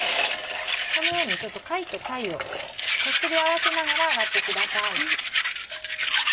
このように貝と貝をこすり合わせながら洗ってください。